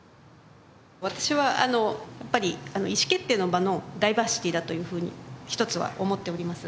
私はやっぱり意思決定の場のダイバーシティーだというふうに一つは思っております。